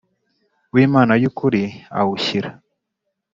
W imana y ukuri awushyira